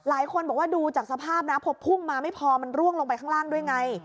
หลายคนบอกว่าดูจากสภาพนะพอพุ่งมาไม่พอมันร่วงลงไปข้างล่างด้วยไง